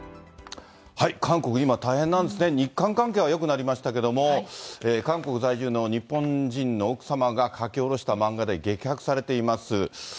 韓国、今、大変なんですね、日韓関係はよくなりましたけども、韓国在住の日本人の奥様が描き下ろした漫画で激白されています。